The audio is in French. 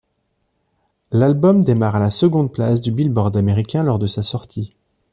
L'album démarre à la seconde place du Billboard américain lors de sa sortie.